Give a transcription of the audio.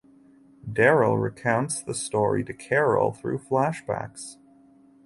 Daryl recounts the story to Carol through flashbacks.